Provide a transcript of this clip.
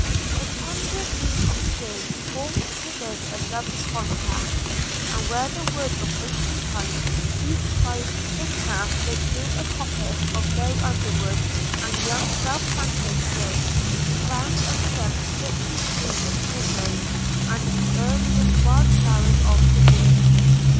– The tender green of spring formed to this a lovely contrast; and, where the wood of ancient pines ceased, his path lay through a coppice of low underwood and young self planted firs – the ground under them thickly strewn with primroses and the earliest wild flowers of the year.